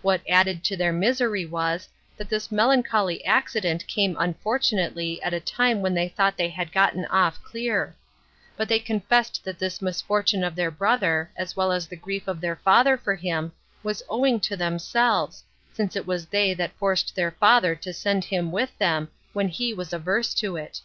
What added to their misery was, that this melancholy accident came unfortunately at a time when they thought they had been gotten off clear; but they confessed that this misfortune of their brother, as well as the grief of their father for him, was owing to themselves, since it was they that forced their father to send him with them, when he was averse to it.